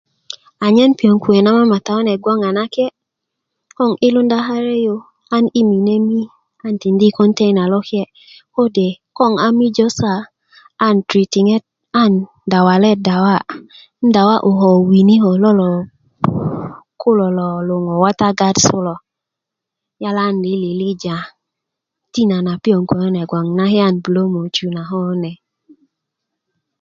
anyen piyoŋ kuwe' na mamata kune gboŋ a nakeye' kon 'yilunda kare yu an i mine mi an tindi yi kontena lokye' kode' konn a mijö siya ann tritŋ a nan dawale dawa' ann dawa'y ko winikö lo luŋ kulo lo luŋu a wota gatsi kulo yala ann lilijililija tina na piyoŋ kuwe kune gboŋ nakye' a nan buló' moju na koo kune